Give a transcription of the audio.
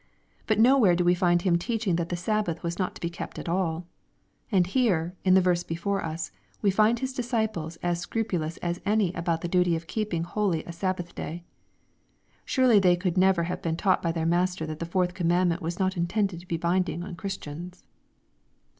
But nowhere do we find Him teaching that the Sabbath was not to be kept at alL And here, in the verse before us, we find His disciples as scrupulous as any about the duty of keep ing holy a Sabbath Day. Surely they could never have been taught by their Master that the fourth command ment was not intended to be binding on Christians.